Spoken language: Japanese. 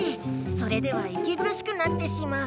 それではいきぐるしくなってしまう。